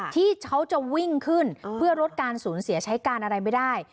ที่เขาจะวิ่งขึ้นเพื่อลดการสูญเสียใช้การอะไรไม่ได้